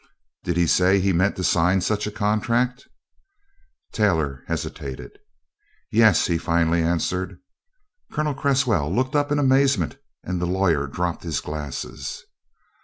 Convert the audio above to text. "Did he say he meant to sign such a contract?" Taylor hesitated. "Yes," he finally answered. Colonel Cresswell looked up in amazement and the lawyer dropped his glasses.